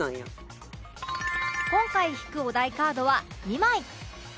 今回引くお題カードは２枚